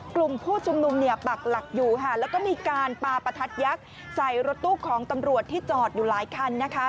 กลุ่มผู้ชุมนุมเนี่ยปักหลักอยู่ค่ะแล้วก็มีการปาประทัดยักษ์ใส่รถตู้ของตำรวจที่จอดอยู่หลายคันนะคะ